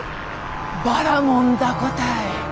ばらもん凧たい。